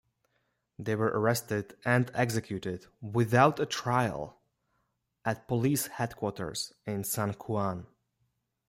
They were arrested and executed, without a trial, at police headquarters in San Juan.